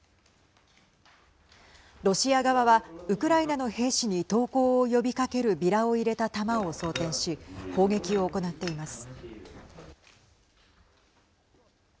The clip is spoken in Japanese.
ロシア側は、ウクライナの兵士に投降を呼びかけるビラを入れた弾を装てんし砲撃を行っています。